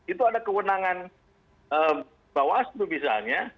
itu ada kewenangan bawas itu misalnya